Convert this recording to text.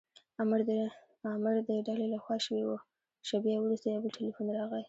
امر د ډلې له خوا شوی و، شېبه وروسته یو بل ټیلیفون راغلی.